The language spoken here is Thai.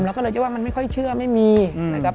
เราก็เลยเชื่อว่ามันไม่ค่อยเชื่อไม่มีนะครับ